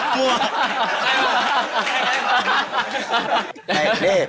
กลัว